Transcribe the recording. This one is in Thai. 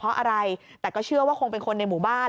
เพราะอะไรแต่ก็เชื่อว่าคงเป็นคนในหมู่บ้าน